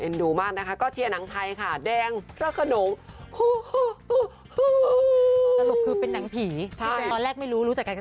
จริงทีมงานเรามีเอฟเฟกต์นะบอกเขาก็ได้เข้าคืน